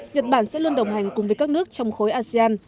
nhật bản sẽ luôn đồng hành cùng với các nước trong khối asean